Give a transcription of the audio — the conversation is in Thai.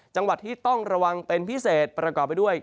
จังหวัดที่ต้องระวังเป็นพิเศษประกอบไปด้วย